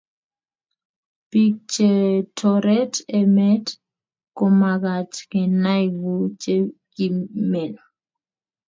pik chetoret emet komakat kenai kuu chekimen